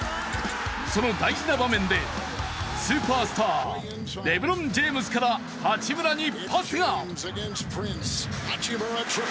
その大事な場面で、スーパースターレブロン・ジェームズから八村にパスが。